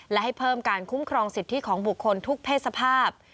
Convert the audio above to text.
และให้เพิ่มการคุ้มครองสิทธิของบุคคลทุกเพศสภาพ